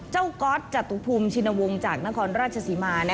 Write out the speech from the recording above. เจ้าก๊อตจัตุภูมิชินวงจากนครราชสีมา